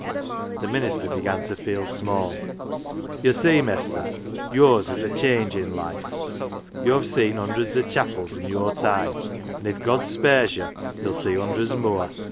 The minister began to feel small. " Yd' see, Mestur, yo'rs is a changin' life. YoVe seen hundreds o' chapels i' yo'r time, an' if God spares yo' yo'll see hundreds mooar.